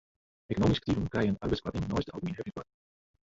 Ekonomysk aktiven krije in arbeidskoarting neist de algemiene heffingskoarting.